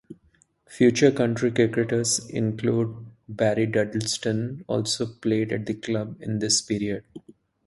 Future county cricketers including Barry Duddleston also played at the club in this period.